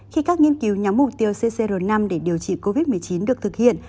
khi các nghiên cứu nhắm mục tiêu ccr năm để điều trị covid một mươi chín được thực hiện